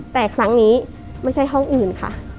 แต่ครั้งนี้ไม่ใช่ห้องอื่นค่ะ